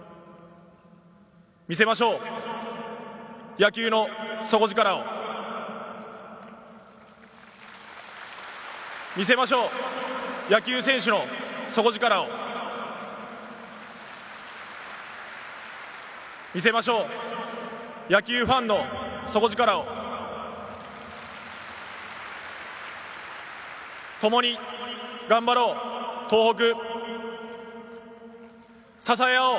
見せましょう野球の底力を見せましょう野球選手の底力を見せましょう野球ファンの底力をともに頑張ろう東北支え合おう